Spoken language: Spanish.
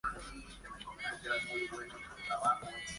El diseño de la portada es obra del artista Shepard Fairey.